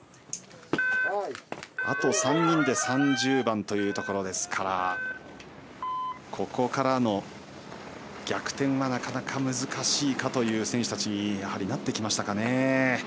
あと３人で３０番というところですからここからの逆転はなかなか難しいかという選手たちになってきましたね。